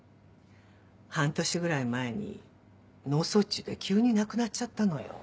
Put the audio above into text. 半年ぐらい前に脳卒中で急に亡くなっちゃったのよ。